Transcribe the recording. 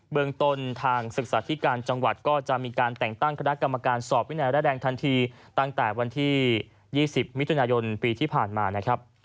เมืองต้นทางศึกษาธิการจังหวัดก็จะมีการแต่งตั้งคณะกรรมการสอบวินัยระแดงทันทีตั้งแต่วันที่๒๐มิถุนายนปีที่ผ่านมานะครับ